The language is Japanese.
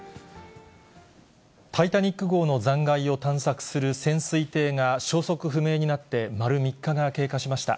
タイタニック号の残骸を探索する潜水艇が消息不明になって丸３日が経過しました。